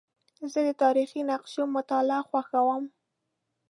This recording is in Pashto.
زه د تاریخي نقشو مطالعه خوښوم.